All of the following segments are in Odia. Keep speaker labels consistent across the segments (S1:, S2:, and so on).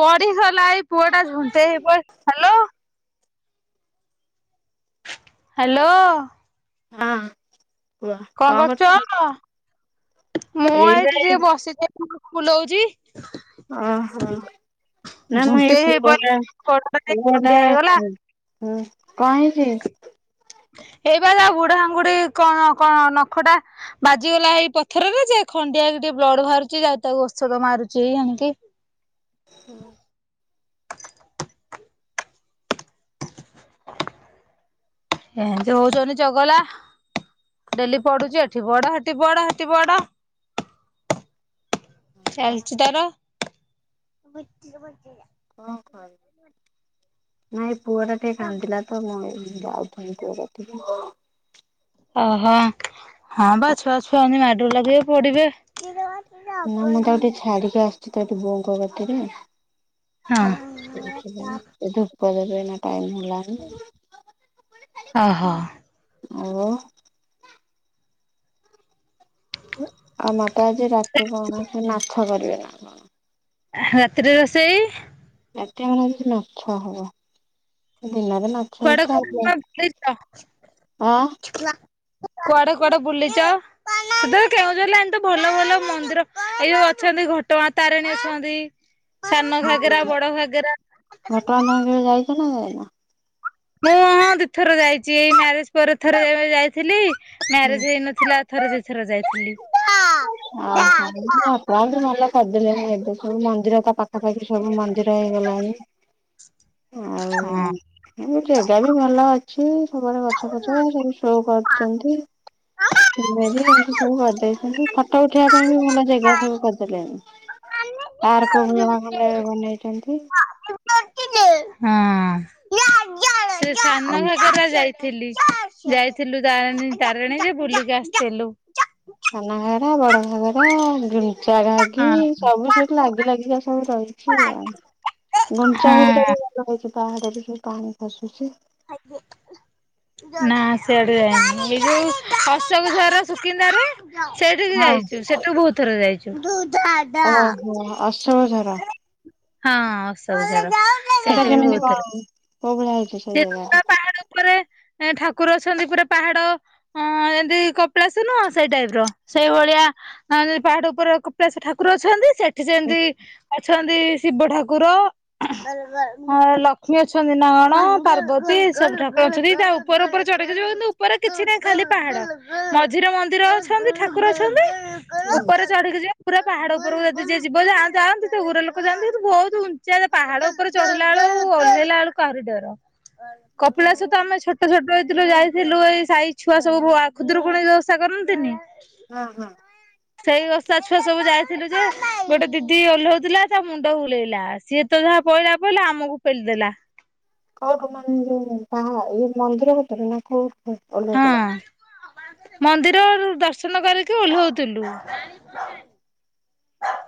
S1: ପଢି ଗଲା ଏଇ ପୁଅ ଟା ଝୁଣ୍ଟେ ହେଇ ପଇଲା ହାଲୋ। ହ୍ୟାଲୋ।
S2: ହଁ।
S1: କଣ କରୁଛ ଅ? ମୁଁ
S2: ଏଇବା
S1: ଏଇଠି
S2: ଏଇ
S1: ଟିକେ ବସିଛି ଫୁଲଉଛି।
S2: ଓହୋ ନାମ ଏଇ
S1: ଝୁଣ୍ଟେଇ ହେଇ
S2: ପୁଅ
S1: ପଡି
S2: ଟା
S1: ଗୋଡଟା ଟିକେ
S2: ପୁଅ ଟା
S1: ଖଣ୍ଡିଆ ହେଇଗଲା
S2: କା ହୁଁ କଣ ହେଇଛି?
S1: ଏଇ ବା ଆଉ ବୁଢାଆଙ୍ଗୁଡି କଣ କଣ ନଖଟା ବାଜିଗଲା ଏଇ ପଥରରେ ଯେ ଖଣ୍ଡିଆ ଟିକେ ବ୍ଲଡ ବାହାରୁଛି ଯାଇ ତାକୁ ଔଷଧ ମାରୁଛି ଏଇ ଆଣିକି।
S2: ହୁଁ।
S1: ଏମିତି ହଉଚଛନ୍ତି ଚଗଲା। ଡେଲି ପଡୁଛି, ଏଠି ପଡ ହେଠି ପଡ ହେଠି ପ।
S2: ନା
S1: ଚାଲିଛି ତାର।
S2: କଣ କରବି। ନାଇଁ ଏ ପୁଅ ଟା ଟିକେ କାନ୍ଦିଲା ତ ମୁଁ ଏଇ ଯାଉ [inaudible]
S1: ଓହୋ, ହଁ ବା ଛୁଆ ଛୁଆ ହେମିତି ମାଡଗୋଡ଼ି ଲାଗିବେ ପଡିବେ।
S2: ନା ମୁଁ ତାକୁ ଟିକେ ଛାଡିକି ଆସିୁଛି ତ ଏଠି ବୋଉଙ୍କ କତିରେ।
S1: ହଁ
S2: ସେ ଧୂପ ଦେବେ ଏଇନା ଟାଇମ୍ ହେଲା।
S1: ଓହୋ।
S2: ଓ ଆଉ ମାତା ଆଜି ରାତି କଣ, ସେଇ ମାଛ କରିବେ।
S1: ରାତିରେ ରୋଷେଇ?
S2: ରାତିରେ ଆମର ଆଜି ମାଛ ହବ। ଦିନରେ ମା
S1: କୁଆଡେ କୁଆଡେ ବୁଲିଛ?
S2: ଆଁ
S1: କୁଆଡେ କୁଆଡେ ବୁଲିଛ? ତମ କେଉଁଝର ଲାଇନ୍ ତ ଭଲ ଭଲ ମନ୍ଦିର ଏଇଯୋଉ ଅଛନ୍ତି ଘଟଗାଁ ତାରିଣୀ ଅଛନ୍ତି। ସାନ ଘାଗେରା, ବଡ ଘାଗେରା।
S2: [unintelligible] [unintelligible]
S1: ମୁଁ ହଁ ଦିଥର ଯାଇଛି ଏଇ ମ୍ୟାରେଜ ପରେ ଥର ଏବେ ଯାଇଥିଲି,
S2: ହୁଁ
S1: ମ୍ୟାରେଜ ହେଇନ ଥିଲା, ଥରେ ଦିଥର ଯାଇଥିଲି।
S2: ଓହୋ ଆପଣ ଭଲ କରିଦେଲେଣି ଏବେ ସବୁ ମନ୍ଦିର ତା ପାଖାପାଖି ସବୁ ମନ୍ଦିର ହେଇଗଲାଣି।
S1: [inaudible] ହଁ।
S2: ଆଉ ଜାଗା ବି ଭଲ ଅଛି ସବୁଆଡେ ଗଛ ଫଛ ସବୁ ସୋ କରୁଛନ୍ତି। ଏମିତି ସବୁ କରିଦେଇଛନ୍ତି। ଫଟୋ ଉଠେଇବା ପାଇଁ ବି ଭଲ ଜେଗା ସବୁ କରିଦେଲେଣି। ପାର୍କ ଭଳିଆ ଖଣ୍ଡେ ବନେଇଛନ୍ତି।
S1: ହଁ। ସେ ସାନ
S2: ଆଉ।
S1: ଘାଗରା ଯାଇଥିଲି, ଯାଇଥିଲୁ ତାରିଣୀ, ତାରିଣୀ ଯେ ବୁଲିକି ଆସିଥିଲୁ।
S2: ସାନ ଘାଗରା, ବଡ ଘାଗରା, ଗୁଣ୍ଡିଚା ଘାାଗି
S1: ହଁ
S2: ସବୁ ସେ ଲାଗି ଲାଗିକା ସବୁ ରହିଛି ଆଉ। ଗୁଣ୍ଡିଚା ଘାଗି ଟା
S1: ହଁ
S2: ବି ଭଲ ହେଇଛି ପାହାଡ ଭିତରୁ ପାଣି ଖସୁଛି।
S1: ଆଜ୍ଞା। ନା ସିଆଡେ ଏଇ ଯୋଉ ଅଶୋକ ଝର ସୁକିନ୍ଦାରେ। ସେଇଠିକି
S2: ହଁ।
S1: ଯାଇଛୁ। ସେଠୁ ବହୁତ ଥର ଯାଇଛୁ।
S2: ଓହୋ, ଅଶୋକ ଝର।
S1: ହଁ, ଅଶୋକ ଝର।
S2: ସେଟା
S1: ସେଠିକି
S2: କେମିତି
S1: ବହୁତ ଥର
S2: କଣ କୋଉ ଭଳିଆ ହେଇଛି
S1: ସେ
S2: ସେଇ ଜାଗା?
S1: ପାହାଡ ଉପରେ ଠାକୁର ଅଛନ୍ତି ପୁରା ପାହାଡ। ହଁ, ଯେମିତି କପିଳାସ ନୁହଁ ସେଇ ଟାଇପ୍ ର ସେଇଭଳିଆ। ଆଉ ଯୋଉ ପାହାଡ ଉପରେ କପିଳାସ ଠାକୁର ଅଛନ୍ତି ସେଠି ସେମତି ଅଛନ୍ତି ଶିବ ଠାକୁର, ଲକ୍ଷ୍ମୀ ଅଛନ୍ତି ନା କଣ? ପାର୍ବତୀ, ସବୁ ଠାକୁର ଅଛନ୍ତି ତା ଉପର ଉପରେ ଚଢିକି ଯିବ। କିନ୍ତୁ ଉପରେ କିଛି ନାହିଁ ଖାଲି ପାହାଡ। ମଝିରେ ମନ୍ଦିର ଅଛନ୍ତି, ଠାକୁର ଅଛନ୍ତି, ଉପରେ ଚଢିକି ଯିବ ପୁରା ପାହାଡ ଉପରକୁ ଯଦି ଯିଏ ଯିବ ଯା ଯାଆନ୍ତି ସେ ଗୁରେ ଲୋକ ଯାନ୍ତି କିନ୍ତୁ ବହୁତ ଉ ଉଚ୍ଚା ଯେ, ପାହାଡ ଉପରେ ଚଢିଲା ବେଳକୁ, ଓହ୍ଲେଇଲା ବେଳକୁ ଆହୁରି ଡର।
S2: ହଁ
S1: କପିଳାସ ତ ଆମେ ଛୋଟ ଛୋଟ ହେଇଥିଲୁ ଯାଇ ଥିଲୁ ଏଇ ସାହି ଛୁଆ ସବୁ ଭୋ ଖୁଧୁରୁକୁଣୀ ଓଷା କରନ୍ତିନି।
S2: ହଁ ହଁ।
S1: ସେଇ ଓଷା ଛୁଆ ସବୁ ଯାଇଥିଲୁ ଯେ ଗୋଟେ ଦିଦି ଓହ୍ଲଉଥିଲା ତା ମୁଣ୍ଡ ବୁଲେଇଲା ସିଏ ସିଏ ତ ଯାହା ପଇଲା ପଇଲା ଆମକୁ ପେଲି ଦେଲା।
S2: କୋଉଠୁ ମାନେ ବାହା ଇଏ ମନ୍ଦିର ଭିତରେ ନା କୋଉଠୁ ଓହ୍ଲଉଥିଲା?
S1: ମନ୍ଦିରରୁ ଦର୍ଶନ କରିକି ଓହ୍ଲଉଥିଲୁ।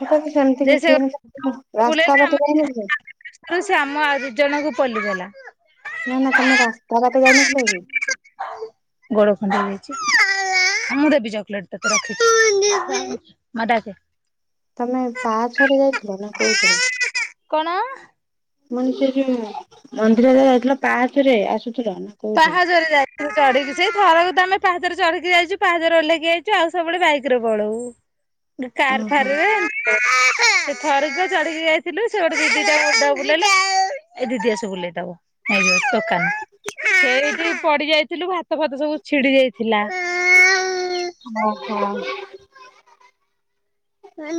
S2: ସେଟା କି ସେମିତି
S1: ଯେ ସେ
S2: କିଛି [unintelligible] ରାସ୍ତା ବାଟେ ଯାଇ ନଥିଲ।
S1: କାରଣ ସେ ଆମ ଆଉ ଦୁଇ ଜଣଙ୍କୁ ପଲିଗଲା।
S2: ନା ନା ତମେ ରାସ୍ତା ବାଟେ ଯାଇନଥିଲ କି?
S1: ଗୋଡ ଖଣ୍ଡିଆ ହେଇଯାଛି। ମୁଁ ଦେବି ଚକୋଲେଟ ତତେ ରଖିଛି [unintelligible] ମା ଡାକେ।
S2: ତମେ ପାହାଚ ରେ ଯାଇଥିଲ ନା କୋଉଥିରେ?
S1: କଣ
S2: ମୁଁ ଏନି ସେ ଯୋଉ ମନ୍ଦିରରେ ଯାଇଥିଲା ପାହାଚରେ ଆସୁଥିଲ ନା କୋଉଠି?
S1: ପାହାଚରେ ଯାଇ ଚଢିକି ସେ ଥରକୁ ତ ଆମେ ପାହାଚରେ ଚଢିକି ଯାଇଛୁ ପାହାଚରେ ଓଲ୍ହେଇକି ଆଇଚୁ ଆଉ ସବୁବେଳେ ବାଇକରେ ପଳଉ। ଡୋ କାର
S2: ଓହୋ।
S1: ଫାର ରେ। ସେ ଥରେ ଯା ଚଢିକି ଯାଇଥିଲୁ ସେ ଗୋଟେ ଦିଦି ଟା ମୁଣ୍ଡ ବୁଲେଇଲା। ଏଇ ଦଦି ଆସୁ ବୁଲେଈ ଦବ ଏ ଯୋଉ ଦୋକାନ।
S2: [inaudible]
S1: ସେଇଠି ପଡି ଯାଇଥିଲୁ ଭାତ ଭାତ ସବୁ ଛିଡି ଯାଇଥିଲା।
S2: ଅ ହ।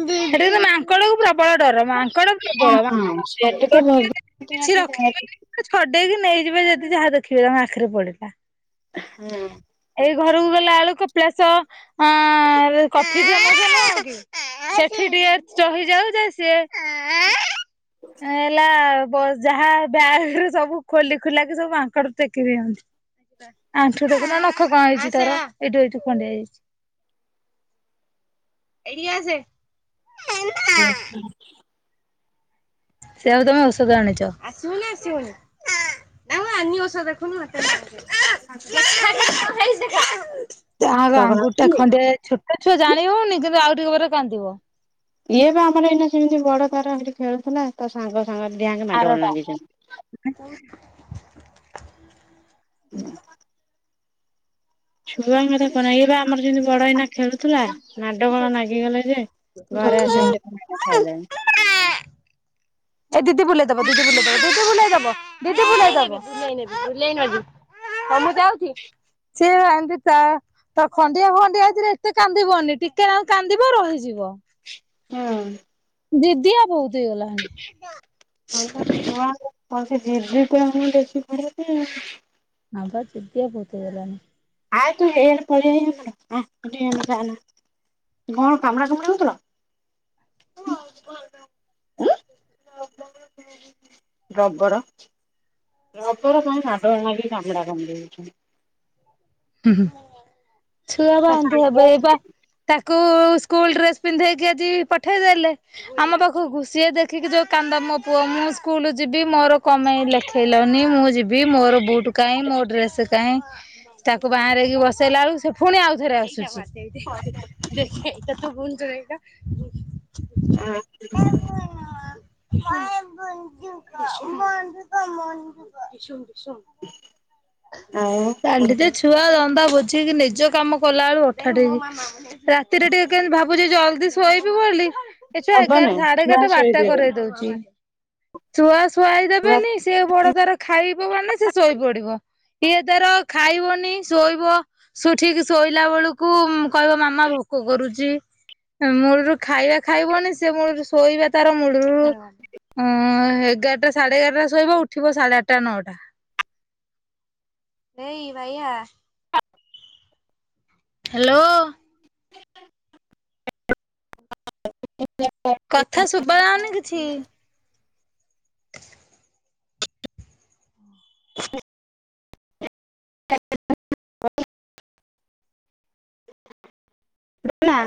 S1: ସେଠି କିନ୍ତୁ ମାଙ୍କଡ଼ କୁ ପ୍ର ବଳ ଡର ମାଙ୍କଡ ପ୍ରବଳ ମା
S2: ହଁ ସେଠି ତ ଭୋଗ
S1: [unintelligible]
S2: ହଁ
S1: କିଛି ରଖି [unintelligible] ଛଡେଇକି ନେଇଯିବେ ଯଦି ଯାହା ଦେଖିବେ ତାଙ୍କ ଆଖିରେ ପଡିଲା।
S2: ହୁଁ।
S1: ଏଇ ଘରକୁ ଗଲା ଆଳୁ କପିଳାସ ଅ କଫି ଡିଅ ମଉସା ନୁଅକି ସେଠି ଟିକେ ଚହିଯାଉଚ ସେ ଏଲା ବ ଯାହା ବ୍ୟାଗ ରେ ସବୁ ଖୋଲି ଖୁଲା କିି ସବୁ ମାଙ୍କଡ ଟେକି ଦିଅନ୍ତି। ଆଣ୍ଠୁ ଟାକୁ ନା ନଖ କଣ ହେଇଛି ତାର? ଏଇଠୁ ଏଇଠୁ କଣ୍ଡିଆ ହେଇଯାଛି। ଏଇଟିକି ଆସେ।
S2: କ୍ୟାପ ସିନ।
S1: ସେ ଆଉ ତମେ ଔଷଧ ଆଣିଚ। ତା ଆଙ୍ଗୁଟା
S2: ଜଗନ୍ନାଥ
S1: ଖଣ୍ଡିଆ ହେ ଛୋ ଛୋଟ ଛଆ ଜାଣିହଉନି କିନ୍ତୁ ଆଉ ଟିକେ ପରେ କାନ୍ଦିବ।
S2: ଇଏ ବା ଆମର ଏଇନା ସେମିତି ବଡ ତାର ସେଠି ଖେଳୁଥିଲା ତା ସାଙ୍ଗ ସାଙ୍ଗ ଡି ଆଙ୍ଗେ ମାଡ଼ ଗୋଳ
S1: ଆରଟା।
S2: ଲାଗିଚନ୍ତି।
S1: [inaudible]
S2: ଉଁ। ଛୁଆଙ୍କର କଣ ଏ ଇ ବା ଆମର ଯେମିତି ବଡ ଏଇନା ଖେଳୁଥିଲା ମାଡ଼ଗୋଣ ନାଗିଗଲେ। ଯେ ଘରେ ଆସିକି
S1: ରଖିଛନ୍ତି
S2: କେତେ ମାଇଲା ଖାଇଲାନି।
S1: ଏ ଦିଦି ବୁଲେଇ ଦବ ଦିଦି। ବୁଲେଇ ଦବ ଦିଦି। ବୁଲେଇ ଦବ ଦିଦି। ବୁଲେଇ ଦବ। ହଁ ମୁଁ ଯାଉଛି ସେ ଏମିତ ତା ତ ଖଣ୍ଡିଆ ଫଣ୍ଡିଆ ହେଇଥିରେ ଏତେ କାନ୍ଦିବନି ଟିକେ ନାକ କାନ୍ଦିବ ରହିଯିବ।
S2: ହୁଁ।
S1: ଦିଦିଆ ବହୁତ ହେଇଗଲାଣି।
S2: ଛୁଆଙ୍କୁ କଣ ସେ ଜିଦି ତ ହିଁ ବେଶୀ ଖାଉଛି ଆଉ।
S1: ହଁ ବା ଜିଦିଆ ବହୁତ ହେଇଗଲାଣି।
S2: ଆଏ ତୁ ଏଇଆଡେ ପଳେଇଆଏ ଧନ ଆ [unintelligible] ଯାଆନା, ‌କଣ କାମୁଡାକାମୁଡି ହଉଥିଲ? ଉଁ ରବର। ରବର ପାଇଁ ମାଡ଼ଗୋଳ ଲାଗିକି କାମୁଡ଼ା କାମୁଡ଼ି ହଉଛନ୍ତି।
S1: ହୁଁହୁଁ ଛୁଆରା
S2: ତା
S1: ଏମିତି
S2: ସାଙ୍ଗ
S1: ହେବେ ଏ-ପା। ତାକୁ ସ୍କୁଲ ଡ୍ରେସ ପିନ୍ଧେଇକି ଆଜି ପଠେଇଦଲେ ଆମ ପାଖକୁ, ସେ ଦେଖିକି ଯୋଉ କାନ୍ଦ ମୋ ପୁଅ, ମୁଁ ସ୍କୁଲ ଯିବି, ମୋର କମେଇ ଲେଖେଇଲନି? ମୁଁ ଯିବି ମୋର ବୁଟ୍ କାଇଁ, ମୋର ଡ୍ରେସ୍ କାଇଁ? ତାକୁ ବାଆଁରେଇକି ବସେଇଲା ବେଳୁକୁ ସେ ଫୁଣି ଆଉଥରେ ଆସୁଛି। ହେଇଟା ତୁ ଗୁନ୍ଦ୍ ହେଇଟା
S2: ଆ
S1: ଆ
S2: ଆଉ
S1: ଭ କୃ [unintelligible] [unintelligible] ଛୁଆ ଧନ୍ଦା ବୁଝିକି ନିଜ କାମ କଲା ବେଳୁ ଅଠାଟେଇ। ରାତିରେ ଟିକେ କେମିତି ଭାବୁଛି ଜଲଦି ଶୋଇବି ବୋଲି ଏ ଛୁଆ ଏଗାରଟ୍
S2: ହବନି
S1: ସାଢେ
S2: ଛୁଆ
S1: ଏଗାରଟା ବାରଟା
S2: ଶୋଇଦେବେ
S1: କରେଇ ଦଉଚି, ଶୁଅସ୍ ଖୁଆଇ
S2: ଛୁଆ
S1: ଦେବେନି ସେ ବଡ ତାର ଖାଇବ ମାନେ ସେ ଶୋଇ ପଡିବ। ଇଏ ତାର ଖାଇବନି ପୁଣି ଶୋଇବ, ସେ ଠିକ୍ ଶୋଇଲା ବେଳକୁ କହିବ ମାମା ଭୋକ କରୁଛି। ମୂଳୁରୁ ଖାଇବା ଖାଇବନି ସେ ମୂଳୁରୁ ଶୋଇବା ତାର ମୂଳୁରୁ ଉଁ-ଉଁ ଏଗାରଟା ସାଢ଼େ ଏଗାରଟାରେ ଶୋଇବ, ଉଠିବ ସାଢେ ଆଠଟା ନଅଟା। ଏଇ ବାଇଆ ହ୍ୟାଲୋ। କଥା ଶୁଭା ଯାଉନି କିଛି।
S2: [inaudible] ଭିଲା?